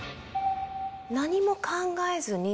何も考えずに。